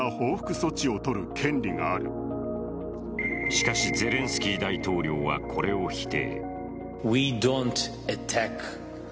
しかし、ゼレンスキー大統領はこれを否定。